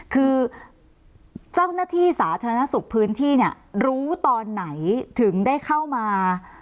คือเจ้าหน้าที่สาธารณสุขพื้นที่เนี่ยรู้ตอนไหนถึงได้เข้ามา